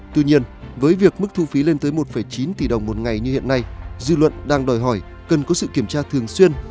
tuy nhiên với việc mức thu phí lên tới một chín tỷ đồng một ngày như hiện nay dư luận đang đòi hỏi cần có sự kiểm tra thường xuyên